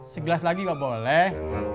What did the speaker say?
segelas lagi gak boleh